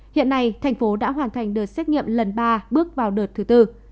hiện nay thành phố đã hoàn thành đợt xét nghiệm lần ba bước vào đợt thứ tư